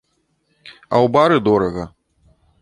А ў бары дорага.